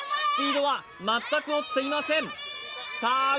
スピードは全く落ちていませんさあ